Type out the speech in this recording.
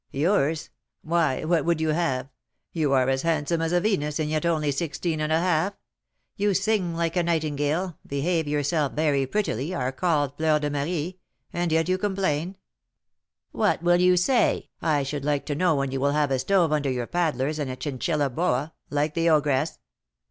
"Yours! Why, what would you have? You are as handsome as a Venus, and yet only sixteen and a half; you sing like a nightingale, behave yourself very prettily, are called Fleur de Marie, and yet you complain! What will you say, I should like to know, when you will have a stove under your 'paddlers,' and a chinchilla boa, like the ogress?"